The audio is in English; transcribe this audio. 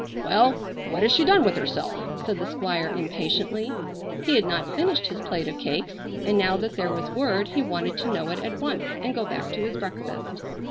"Well, what has she done with herself?" said the Squire impatiently. He had not finished his plate of cakes, and now that there was word he wanted to know it at once and go back to his breakfast.